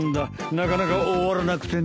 なかなか終わらなくてね。